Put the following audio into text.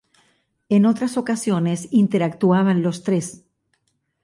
En otras ocasiones interactuaban los tres.